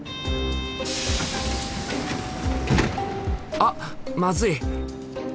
あっまずい！